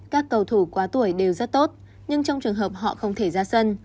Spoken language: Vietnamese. các cầu thủ quá tuổi đều rất tốt nhưng trong trường hợp họ không thể ra sân